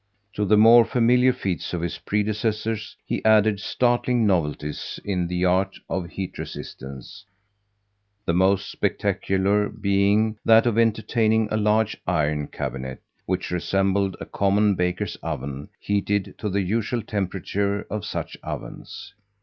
To the more familiar feats of his predecessors he added startling novelties in the art of heat resistance, the most spectacular being that of entering a large iron cabinet, which resembled a common baker's oven, heated to the usual temperature of such ovens.